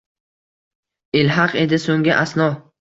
Ilhaq edi soʼnggi asno